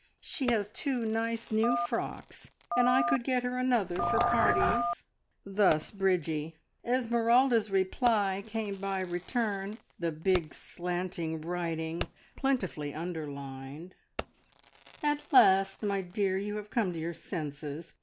She has two nice new frocks, and I could get her another for parties." Thus Bridgie. Esmeralda's reply came by return the big, slanting writing, plentifully underlined "At last, my dear, you have come to your senses.